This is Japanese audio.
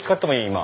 今。